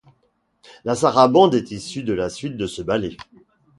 La sarabande est issue de la suite de ce ballet.